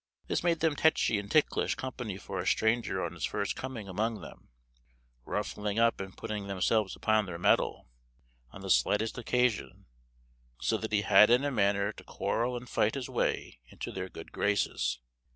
This made them techy and ticklish company for a stranger on his first coming among them; ruffling up and putting themselves upon their mettle on the slightest occasion, so that he had in a manner to quarrel and fight his way into their good graces.